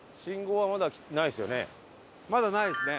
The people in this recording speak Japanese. まだないですね。